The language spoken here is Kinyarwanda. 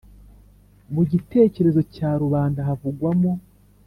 Mu gitekerezo cya rubanda havugwamo